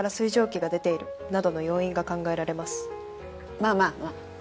まあまあまあ。